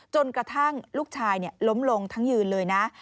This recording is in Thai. จนกระทั่งลูกชายล้มลงทั้งยืนเลยนะ